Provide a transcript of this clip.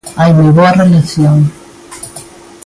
Hai moi boa relación.